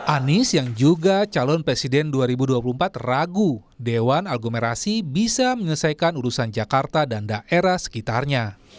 anies yang juga calon presiden dua ribu dua puluh empat ragu dewan aglomerasi bisa menyelesaikan urusan jakarta dan daerah sekitarnya